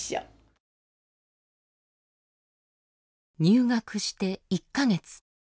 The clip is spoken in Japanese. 入学して１か月。